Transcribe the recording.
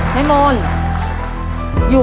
เร็วเร็วเร็ว